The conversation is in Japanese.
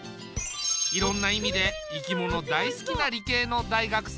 いろんな意味で生き物大好きな理系の大学生。